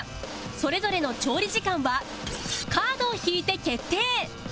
それぞれの調理時間はカードを引いて決定